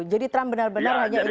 trump benar benar hanya ingin